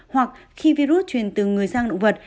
hoặc khi virus truyền từ người sang động vật